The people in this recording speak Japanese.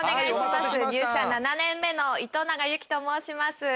入社７年目の糸永有希と申します